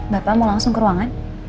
bapak mau langsung ke ruangan